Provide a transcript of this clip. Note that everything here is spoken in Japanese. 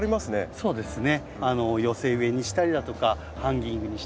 そうですね。